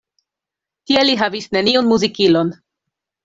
Tie li havis neniun muzikilon.